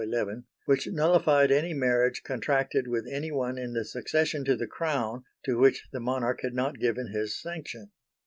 11) which nullified any marriage contracted with anyone in the succession to the Crown to which the Monarch had not given his sanction.